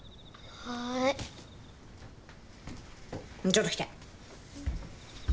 ちょっと来て。